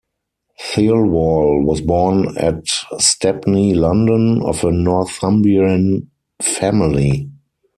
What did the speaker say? Thirlwall was born at Stepney, London, of a Northumbrian family.